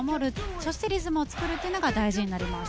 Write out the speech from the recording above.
そしてリズムを作るのが大事になります。